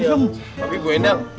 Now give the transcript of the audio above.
tapi bu endang